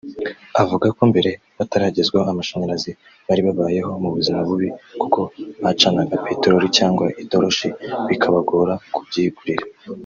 Avuga ko mbere bataragezwaho amashanyarazi bari babayeho mu buzima bubi kuko bacanaga petelori cyangwa itoroshi bikabagora kubyigurira